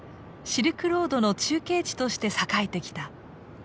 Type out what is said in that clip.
シルクロードの中継地として栄えてきた。